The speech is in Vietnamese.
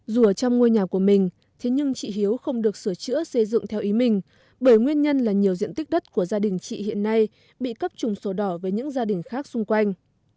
dù ở trong ngôi nhà của mình thế nhưng chị hiếu không được sửa chữa xây dựng theo ý mình bởi nguyên nhân là nhiều diện tích đất của gia đình chị hiện nay bị cấp trùng sổ đỏ với những gia đình khác xung quanh